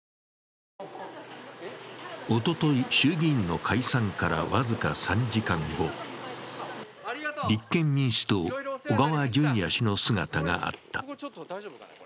おととい、衆議院の解散から僅か３時間後立憲民主党、小川淳也氏の姿があった。